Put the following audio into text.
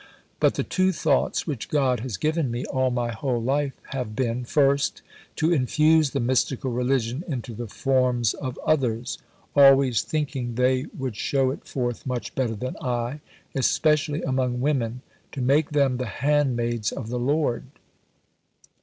But the two thoughts which God has given me all my whole life have been First, to infuse the mystical religion into the forms of others (always thinking they would show it forth much better than I), especially among women, to make them the 'handmaids of the Lord.'